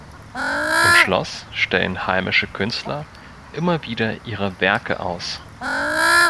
Im Schloss stellen heimische Künstler immer wieder ihre Werke aus.